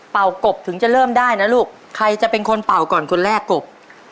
กบถึงจะเริ่มได้นะลูกใครจะเป็นคนเป่าก่อนคนแรกกบ